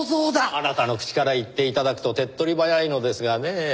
あなたの口から言って頂くと手っ取り早いのですがねぇ。